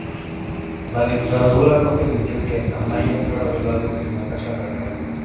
La dictadura no permitió que Amaya fuera velado en la Casa Radical.